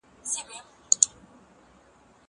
زه پرون زده کړه کوم!